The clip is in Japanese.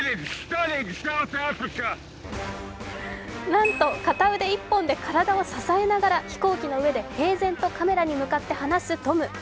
なんと片腕１本で体を支えながら飛行機の上で平然とカメラに向かって話すトム。